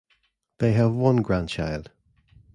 They have one grandchild.